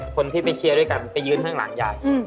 คนที่ไปเชียร์ด้วยกันไปยืนข้างหลังยาย